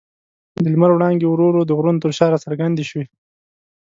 د لمر وړانګې ورو ورو د غرونو تر شا راڅرګندې شوې.